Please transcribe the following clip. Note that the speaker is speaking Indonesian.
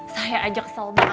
saya aja kesel banget pak